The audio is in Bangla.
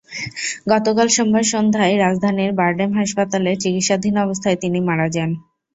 গতকাল সোমবার সন্ধ্যায় রাজধানীর বারডেম হাসপাতালে চিকিৎসাধীন অবস্থায় তিনি মারা যান।